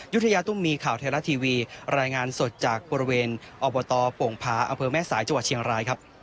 ยุฒิยาตุ้มมีข่าวเทราทีวีรายงานสดจากบริเวณอบตโป่งผาอแม่สายจเชียงรายครับ